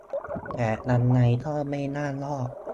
แต่ยังไงก็ไม่น่ารอด